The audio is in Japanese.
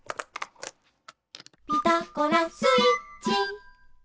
「ピタゴラスイッチ」